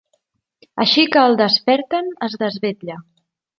Així que el desperten es desvetlla.